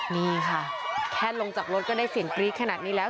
นี่ค่ะแค่ลงจากรถก็ได้เสียงกรี๊ดขนาดนี้แล้ว